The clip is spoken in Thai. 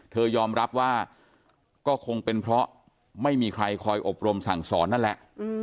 ยอมรับว่าก็คงเป็นเพราะไม่มีใครคอยอบรมสั่งสอนนั่นแหละ